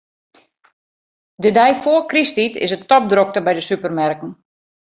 De dei foar krysttiid is it topdrokte by de supermerken.